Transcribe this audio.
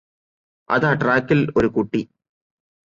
അതാ ട്രാക്കില് ഒരു കുട്ടി